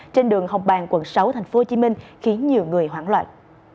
trên đường hồng bàng quận sáu tp hcm khiến nhiều người hoảng loạn